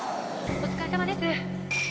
お疲れさまです